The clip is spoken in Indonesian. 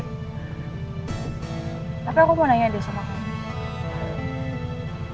tapi aku mau nanya deh sama kamu